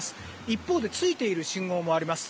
一方でついている信号もあります。